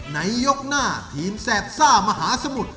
ในยกหน้าทีมแสบซ่ามหาสมุทร